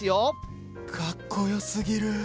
かっこよすぎる。